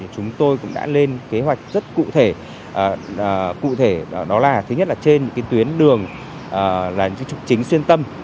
chúng tôi cũng đã lên kế hoạch rất cụ thể cụ thể đó là thứ nhất là trên những tuyến đường là những trục chính xuyên tâm